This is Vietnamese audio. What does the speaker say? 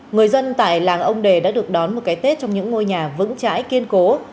người dân tại làng ông đề đã được đón một cái tết trong những ngôi nhà vững chãi kiên cố